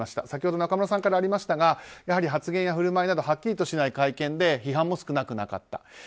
先ほど中村さんからありましたが発言や振る舞いなどはっきりとしない会見で批判も少なくなかった。